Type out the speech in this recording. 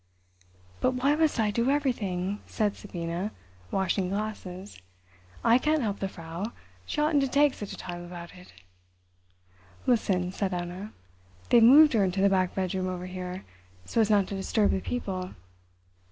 "But why must I do everything?" said Sabina, washing glasses. "I can't help the Frau; she oughtn't to take such a time about it." "Listen," said Anna, "they've moved her into the back bedroom above here, so as not to disturb the people.